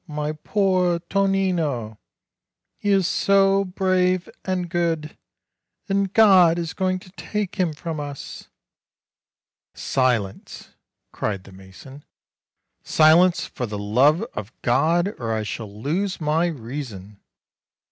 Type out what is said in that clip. My poor Tonino ! He is so brave and good, and God is going to take him from us!" "Silence!" cried the mason; "silence, for the love of God, or I shall lose my reason!"